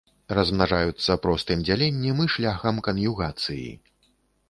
Размнажаюцца простым дзяленнем і шляхам кан'югацыі.